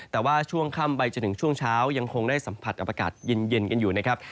แต่ว่าช่วงค่ำไปจนถึงช่วงเช้ายังคงได้สัมผัสกับอากาศเย็นกันอยู่นะครับ